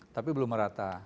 tapi belum merata